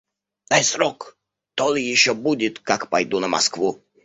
Дай срок, то ли еще будет, как пойду на Москву.